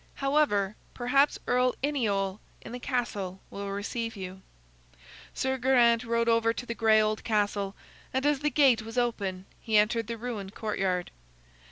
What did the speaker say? However, perhaps Earl Iniol in the castle will receive you." Sir Geraint rode over to the gray old castle, and as the gate was open, entered the ruined courtyard.